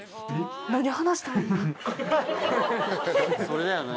それだよね。